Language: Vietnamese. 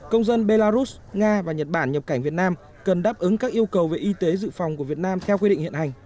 công dân belarus nga và nhật bản nhập cảnh việt nam cần đáp ứng các yêu cầu về y tế dự phòng của việt nam theo quy định hiện hành